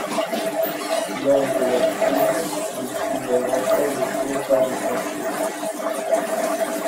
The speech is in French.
Lors de leurs fouilles ils trouvèrent enfin le plomb tant recherché.